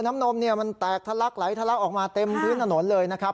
นมเนี่ยมันแตกทะลักไหลทะลักออกมาเต็มพื้นถนนเลยนะครับ